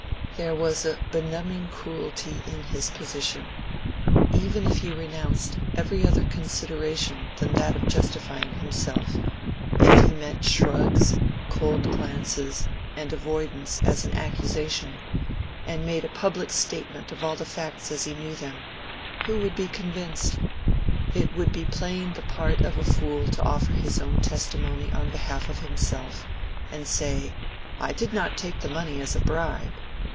There was a benumbing cruelty in his position. Even if he renounced every other consideration than that of justifying himself—if he met shrugs, cold glances, and avoidance as an accusation, and made a public statement of all the facts as he knew them, who would be convinced? It would be playing the part of a fool to offer his own testimony on behalf of himself, and say, "I did not take the money as a bribe."